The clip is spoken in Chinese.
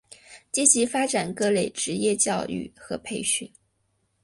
积极发展各类职业教育和培训。